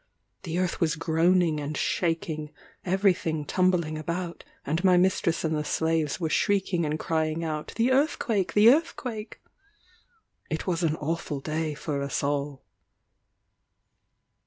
The earth was groaning and shaking; every thing tumbling about; and my mistress and the slaves were shrieking and crying out, "The earthquake! the earthquake!" It was an awful day for us all.